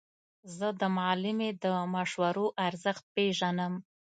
زه د معلمې د مشورو ارزښت پېژنم.